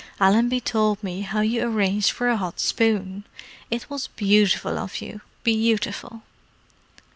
"Allenby told me how you arranged for a hot spoon. It was beautiful of you: beautiful!"